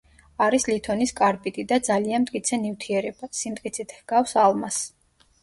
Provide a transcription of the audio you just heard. არის ლითონის კარბიდი და ძალიან მტკიცე ნივთიერება; სიმტკიცით ჰგავს ალმასს.